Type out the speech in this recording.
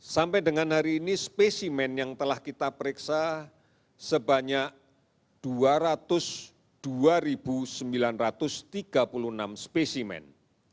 sampai dengan hari ini spesimen yang telah kita periksa sebanyak dua ratus dua sembilan ratus tiga puluh enam spesimen